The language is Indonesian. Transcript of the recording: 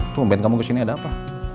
bumpen kamu kesini ada apa